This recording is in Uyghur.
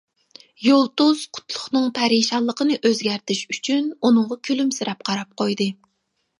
يۇلتۇز قۇتلۇقنىڭ پەرىشانلىقىنى ئۆزگەرتىش ئۈچۈن ئۇنىڭغا كۈلۈمسىرەپ قاراپ قويدى.